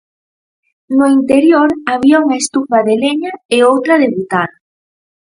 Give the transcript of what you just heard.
No interior había unha estufa de leña e outra de butano.